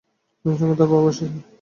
নীলুর সঙ্গে তার বাবাও আসছেন।